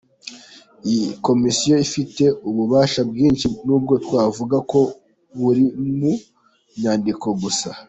Iyi komisiyo ifite ububasha bwinshi n’ubwo twavuga ko buri mu nyandiko gusa: